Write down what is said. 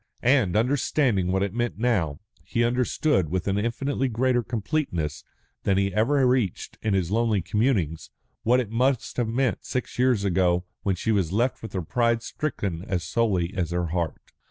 And, understanding what it meant now, he understood, with an infinitely greater completeness than he had ever reached in his lonely communings, what it must have meant six years ago when she was left with her pride stricken as sorely as her heart.